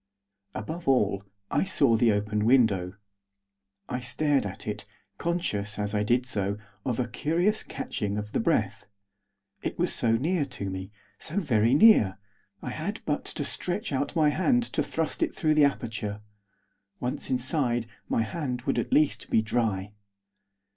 Above all, I saw the open window. I stared at it, conscious, as I did so, of a curious catching of the breath. It was so near to me; so very near. I had but to stretch out my hand to thrust it through the aperture. Once inside, my hand would at least be dry.